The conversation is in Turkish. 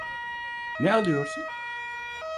Ne alıyorsun?